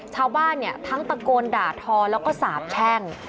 ชาวบ้านเนี่ยทั้งตะโกนด่าทอแล้วก็สาบแช่ง